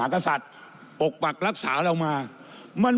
ผ่วงหาที่คุณวิทยาขึ้นมาพูดว่า